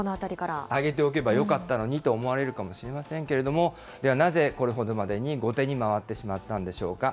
上げておけばよかったのにと思われるかもしれませんけれども、なぜ、これほどまでに後手に回ってしまったんでしょうか。